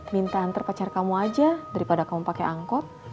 minta antar pacar kamu aja daripada kamu pakai angkot